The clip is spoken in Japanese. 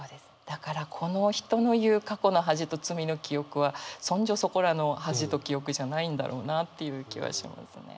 だからこの人の言う「過去の恥と罪の記憶」はそんじょそこらの「恥と記憶」じゃないんだろうなっていう気はしますね。